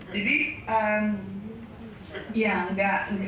jadi ya enggak